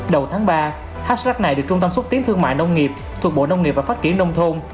đầu tháng ba hack này được trung tâm xuất tiến thương mại nông nghiệp thuộc bộ nông nghiệp và phát triển nông thôn